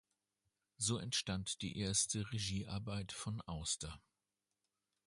So entstand die erste Regiearbeit von Auster.